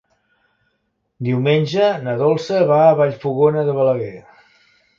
Diumenge na Dolça va a Vallfogona de Balaguer.